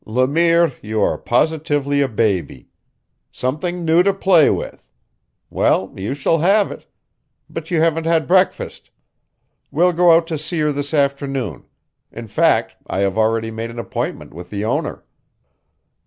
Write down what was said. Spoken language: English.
"Le Mire, you are positively a baby. Something new to play with! Well, you shall have it. But you haven't had breakfast. We'll go out to see her this afternoon; in fact, I have already made an appointment with the owner."